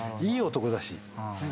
いい男だし。